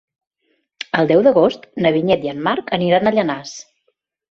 El deu d'agost na Vinyet i en Marc aniran a Llanars.